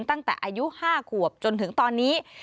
ตั้งแต่อายุ๕ขวบจนถึงตอนนี้